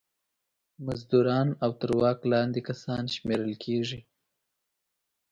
مزدوران او تر واک لاندې کسان شمېرل کیږي.